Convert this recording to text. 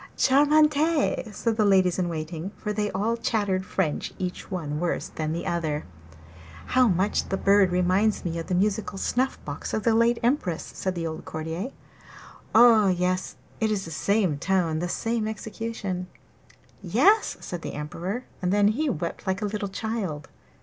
charmant!' said the ladies in waiting, for they all chattered French, each one worse than the other. 'How much the bird reminds me of the musical snuff box of the late Empress!' said an old courtier. 'Ah, yes, it is the same tone, the same execution!' 'Yes,' said the Emperor; and then he wept like a little child.